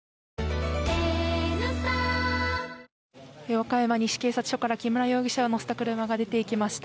和歌山西警察署から木村容疑者を乗せた車が出てきました。